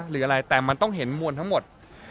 หรืออะไรแต่มันต้องเห็นมวลทั้งหมด